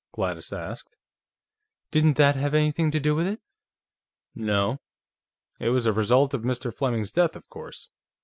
Gladys asked. "Didn't that have anything to do with it?" "No. It was a result of Mr. Fleming's death, of course.